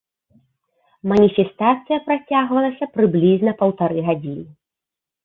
Маніфестацыя працягвалася прыблізна паўтары гадзіны.